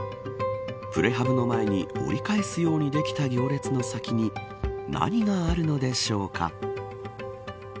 プレハブの前に折り返すようにできた行列の先に何があるのでしょうか。